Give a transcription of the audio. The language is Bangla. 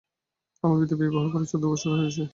আমার পিতা বিবাহ করেন চৌদ্দ বৎসর বয়সে।